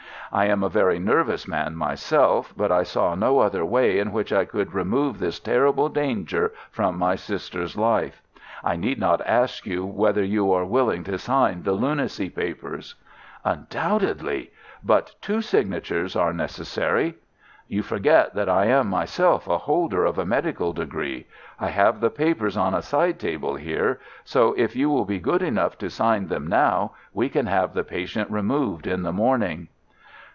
I am a very nervous man myself, but I saw no other way in which I could remove this terrible danger from my sister's life. I need not ask you whether you are willing to sign the lunacy papers." "Undoubtedly. But two signatures are necessary." "You forget that I am myself a holder of a medical degree. I have the papers on a side table here, so if you will be good enough to sign them now, we can have the patient removed in the morning."